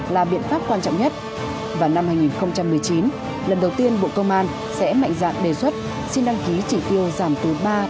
là biện pháp quan trọng nhất